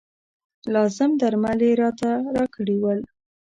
لازم درمل یې راته راکړي ول.